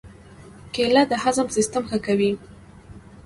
کېله د هضم سیستم ښه کوي.